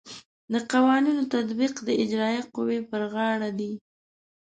د قوانینو تطبیق د اجرائیه قوې پر غاړه دی.